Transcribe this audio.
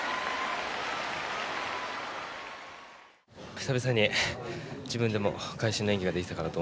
久々に自分でも会心の演技ができたかなと思います。